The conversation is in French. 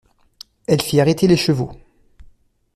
Elle fit arrêter les chevaux.